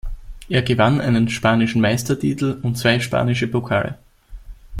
Er gewann einen spanischen Meistertitel und zwei spanische Pokale.